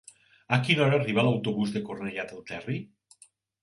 A quina hora arriba l'autobús de Cornellà del Terri?